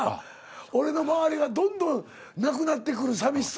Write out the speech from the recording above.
俺の周りがどんどんなくなってくる寂しさ。